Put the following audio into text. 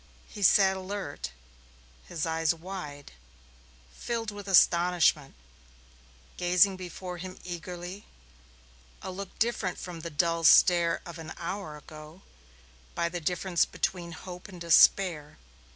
He sat alert, his eyes wide, filled with astonishment, gazing before him eagerly a look different from the dull stare of an hour ago by the difference between hope and despair.